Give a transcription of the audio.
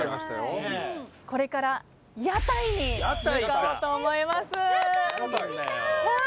これから屋台に向かおうと思います。